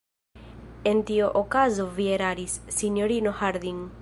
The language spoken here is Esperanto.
En tiu okazo vi eraris, sinjorino Harding.